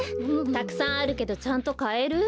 たくさんあるけどちゃんとかえる？